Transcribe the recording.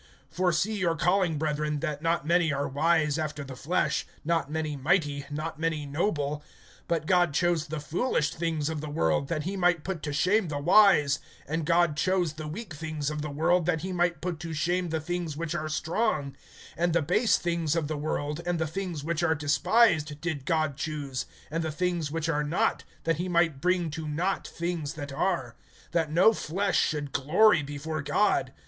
(26)For see your calling, brethren, that not many are wise after the flesh, not many mighty, not many noble; (27)but God chose the foolish things of the world, that he might put to shame the wise; and God chose the weak things of the world, that he might put to shame the things which are strong; (28)and the base things of the world, and the things which are despised, did God choose, and the things which are not, that he might bring to naught things that are; (29)that no flesh should glory before God.